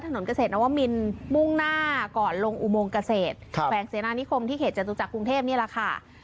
ถนนเกษตรนวมินมุ่งหน้าก่อนลงอุโมงเกษตรแขวงเสนานิคมที่เขตจตุจักรกรุงเทพนี่แหละค่ะ